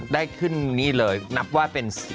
ได้ขึ้นนี่เลยนับว่าเป็น